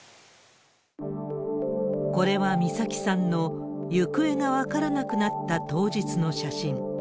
これは、美咲さんの行方が分からなくなった当日の写真。